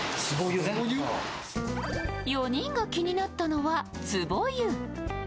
４人が気になったのは壺湯。